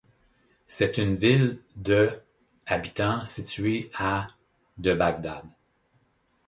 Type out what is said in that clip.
C'est une ville de habitants située à de Bagdad.